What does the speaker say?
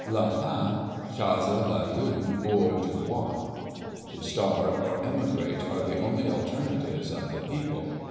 La faint chasse le loup hors du bo is. To starve, or emigrate, are the only alternatives of the people."